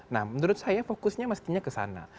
nah menurut saya fokusnya mestinya ke sana